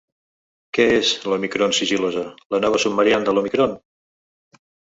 Què és “l’òmicron sigil·losa”, la nova subvariant de l’òmicron?